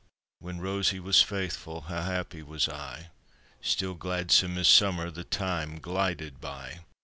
] When Rosie was faithfu' how happy was I, Still gladsome as simmer the time glided by.